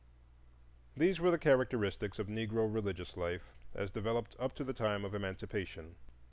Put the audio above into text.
These were the characteristics of Negro religious life as developed up to the time of Emancipation.